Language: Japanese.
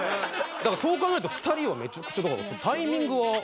だからそう考えると２人はめちゃくちゃタイミングは。